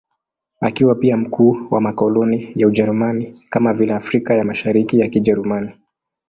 Akiwa pia mkuu wa makoloni ya Ujerumani, kama vile Afrika ya Mashariki ya Kijerumani.